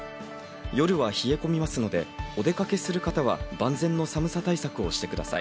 夜は冷え込みますので、お出かけする方は万全の寒さ対策をしてください。